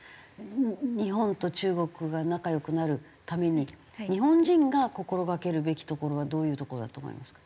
日本と中国が仲良くなるために日本人が心がけるべきところはどういうところだと思いますか？